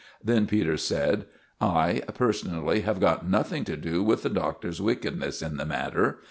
Then Peters said— "I, personally, have got nothing to do with the Doctor's wickedness in the matter.